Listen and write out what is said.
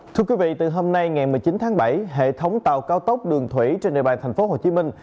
thưa quý vị từ hôm nay ngày một mươi chín tháng bảy hệ thống tàu cao tốc đường thủy trên địa bàn thành phố hồ chí minh